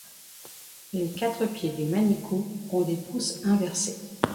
Les quatre pieds du manicou ont des pouces inversés.